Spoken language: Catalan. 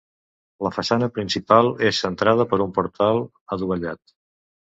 La façana principal és centrada per un portal adovellat.